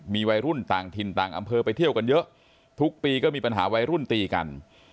มีวัยรุ่นต่างถิ่นต่างอำเภอไปเที่ยวกันเยอะทุกปีก็มีปัญหาวัยรุ่นตีกัน